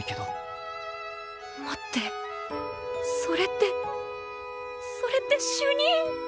それってそれって主任！